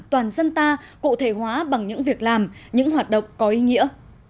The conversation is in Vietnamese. toàn dân ta cụ thể hóa bằng những việc làm những hoạt động có ý nghĩa